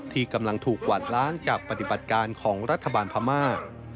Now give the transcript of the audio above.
ที่กำลังถูกกวาดล้างจากปฏิบัติการของรัฐบาลพม่า